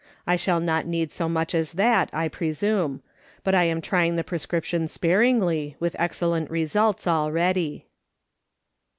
I shall not need so much as that, I presume, but I am trying the prescription sparingly, with excellent results already."